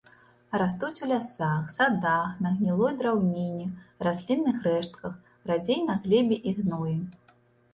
Растуць у лясах, садах на гнілой драўніне, раслінных рэштках, радзей на глебе і гноі.